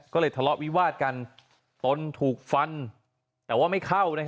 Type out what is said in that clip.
ก็เลยทะเลาะวิวาดกันตนถูกฟันแต่ว่าไม่เข้า